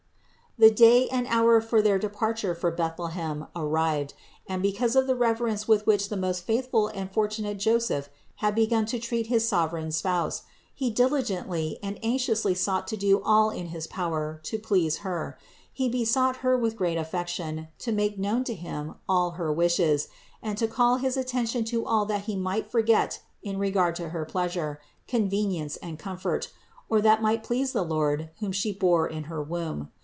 453. The day and hour for their departure for Beth lehem arrived and, because of the reverence with which the most faithful and fortunate Joseph had begun to treat his sovereign Spouse, he diligently and anxiously sought to do all in his power to please Her; he besought Her with great affection to make known to him all her wishes and to call his attention to all that he might forget in regard to her pleasure, convenience and comfort, or that might please the Lord whom She bore in her womb.